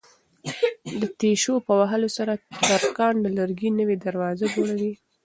د تېشو په وهلو سره ترکاڼ د لرګي نوې دروازه جوړوي.